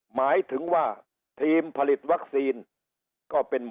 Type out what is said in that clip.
หมายถึงว่าทีมผลิตวัคซีนก็เป็น